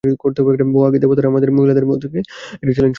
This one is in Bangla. বহু আগে, দেবতারা আমাদের মহিলাদের একটা বড় চ্যালেঞ্জের মুখোমুখি করলেন।